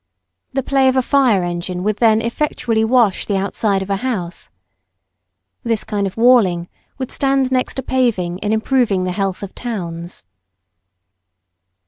The play of a fire engine would then effectually wash the outside of a house. This kind of walling would stand next to paving in improving the health of towns.